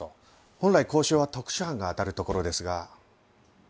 本来交渉は特殊班があたるところですが。